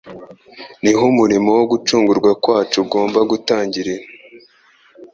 niho umurimo wo gucungurwa kwacu ugomba gutangirira.